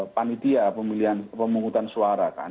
panitia pemilihan pemungutan suara kan